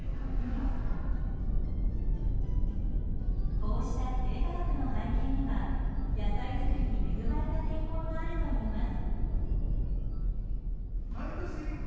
こうした低価格の背景には野菜作りに恵まれた天候があるといいます。